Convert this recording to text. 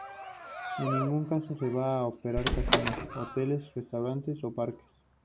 En ningún caso se va a operar casinos, hoteles, restaurantes o parques.